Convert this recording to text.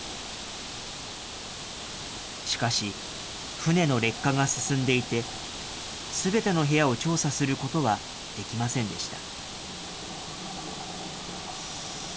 しかし、船の劣化が進んでいて、すべての部屋を調査することはできませんでした。